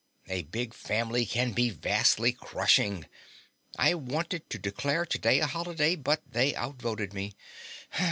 "A big family can be vastly crushing. I wanted to declare today a holiday, but they outvoted me.